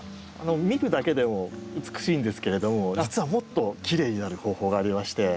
見るだけでも美しいんですけれども実はもっときれいになる方法がありまして。